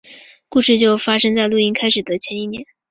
故事就发生在录音开始的前一年。